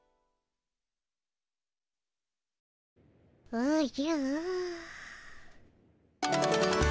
おじゃ。